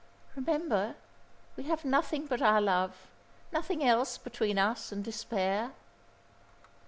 "Remember, we have nothing but our love, nothing else between us and despair."